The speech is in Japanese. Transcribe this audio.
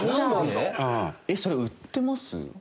それ売ってます？